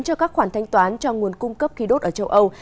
cho các khoản thanh toán cho nguồn cung cấp khí đốt ở châu âu